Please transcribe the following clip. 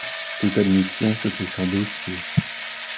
Toute admission se fait sur dossier.